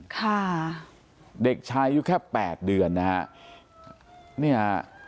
ค่ะเด็กชายอายุแค่แปดเดือนนะฮะเนี่ย